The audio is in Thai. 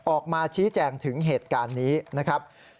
ออกมาชี้แจงถึงเหตุการณ์นี้นะครับ